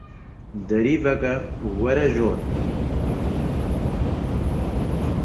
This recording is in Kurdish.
Derî veke û were jorê